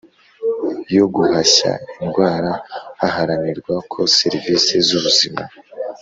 yo guhashya indwara haharanirwa ko serivisi z’ubuzima